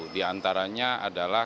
di antaranya adalah